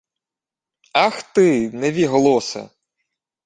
— Ах ти, невіголосе!..